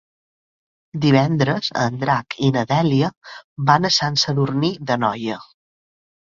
Divendres en Drac i na Dèlia van a Sant Sadurní d'Anoia.